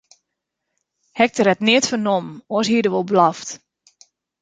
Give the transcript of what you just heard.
Hektor hat neat fernommen, oars hie er wol blaft.